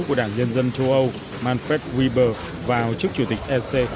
của đảng dân dân châu âu manfred weber vào chức chủ tịch ec